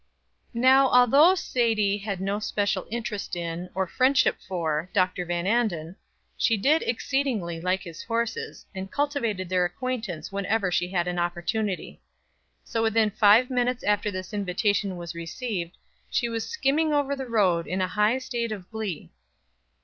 Now, although Sadie had no special interest in, or friendship for, Dr. Van Anden, she did exceedingly like his horses, and cultivated their acquaintance whenever she had an opportunity. So within five minutes after this invitation was received she was skimming over the road in a high state of glee.